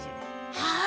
はい。